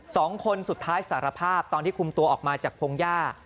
สุดท้ายสารภาพตอนที่คุมตัวออกมาจากพงหญ้า